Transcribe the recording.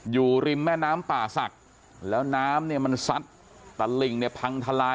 อยู่ริมแม่น้ำป่าศักดิ์แล้วน้ำเนี่ยมันซัดตะหลิ่งเนี่ยพังทลาย